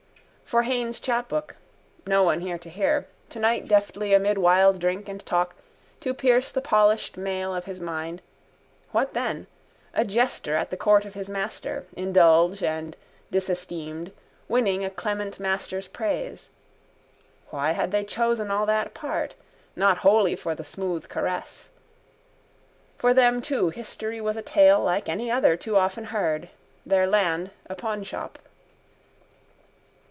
For Haines's chapbook. No one here to hear. Tonight deftly amid wild drink and talk, to pierce the polished mail of his mind. What then? A jester at the court of his master, indulged and disesteemed, winning a clement master's praise. Why had they chosen all that part? Not wholly for the smooth caress. For them too history was a tale like any other too often heard, their land a pawnshop.